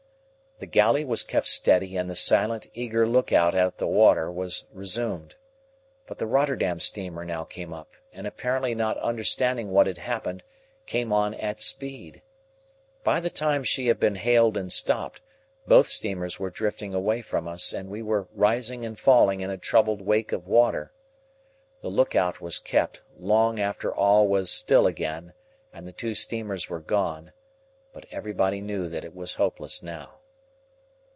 The galley was kept steady, and the silent, eager look out at the water was resumed. But, the Rotterdam steamer now came up, and apparently not understanding what had happened, came on at speed. By the time she had been hailed and stopped, both steamers were drifting away from us, and we were rising and falling in a troubled wake of water. The look out was kept, long after all was still again and the two steamers were gone; but everybody knew that it was hopeless now.